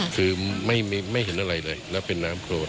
คือไม่เห็นอะไรเลยแล้วเป็นน้ำโกรน